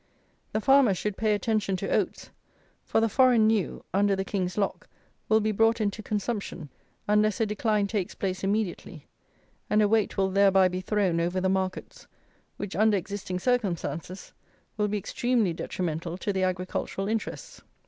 The farmers should pay attention to oats, for the foreign new, under the King's lock, will be brought into consumption, unless a decline takes place immediately, and a weight will thereby be thrown over the markets, which under existing circumstances will be extremely detrimental to the agricultural interests.